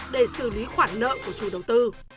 để xử lý khoản nợ của chủ đầu tư